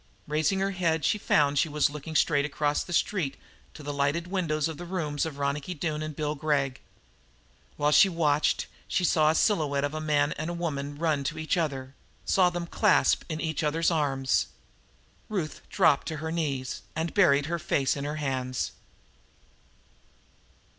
Raising her head she found she was looking straight across the street to the lighted windows of the rooms of Ronicky Doone and Bill Gregg. While she watched she saw the silhouette of a man and woman running to each other, saw them clasped in each other's arms. Ruth dropped to her knees and buried her face in her hands.